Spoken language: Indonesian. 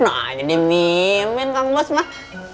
nanya deh mimin kang bos mah